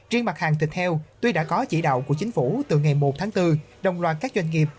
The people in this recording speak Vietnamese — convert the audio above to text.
riêng mặt hàng thịt heo tuy đã có chỉ đạo của chính phủ từ ngày một tháng bốn đồng loạt các doanh nghiệp